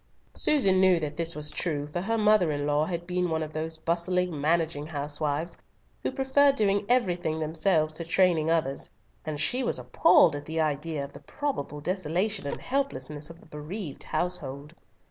Susan knew this was true, for her mother in law had been one of those bustling, managing housewives, who prefer doing everything themselves to training others, and she was appalled at the idea of the probable desolation and helplessness of the bereaved household.